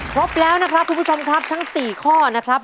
ครบแล้วนะครับคุณผู้ชมครับทั้ง๔ข้อนะครับ